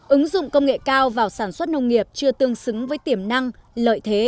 ứng dụng công nghệ cao vào sản xuất nông nghiệp chưa tương xứng với tiềm năng lợi thế